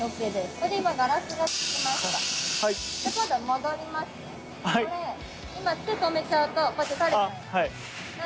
これ今手止めちゃうとこうやって垂れちゃう。